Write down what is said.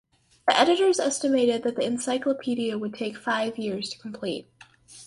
The editors estimated that the encyclopaedia would take five years to complete.